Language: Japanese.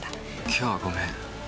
今日はごめん。